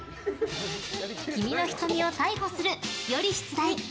「君の瞳をタイホする！」より出題。